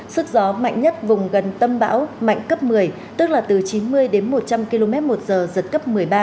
sức gió mạnh nhất vùng gần tâm bão mạnh cấp một mươi tức là từ chín mươi đến một trăm linh km một giờ giật cấp một mươi ba